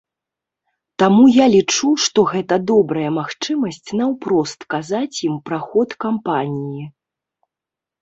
Таму я лічу, што гэта добрая магчымасць наўпрост казаць ім пра ход кампаніі.